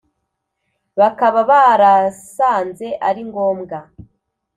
bakaba barasanze ari ngombwa